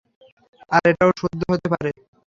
আর এটাও শুদ্ধ হতে পারে না।